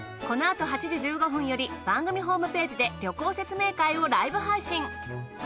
このあと８時１５分より番組ホームページで旅行説明会をライブ配信。